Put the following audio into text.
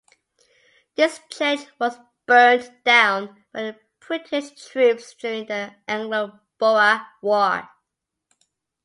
This church was burnt down by the British troops during the Anglo-Boer War.